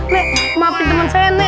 nek maafin teman saya nek